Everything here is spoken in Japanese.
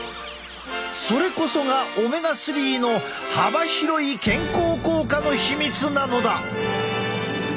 それこそがオメガ３の幅広い健康効果の秘密なのだ。